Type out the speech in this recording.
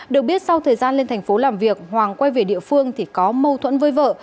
được biết sau thời gian lên thành phố làm việc hoàng quay về địa phương thì có mâu thuẫn với vợ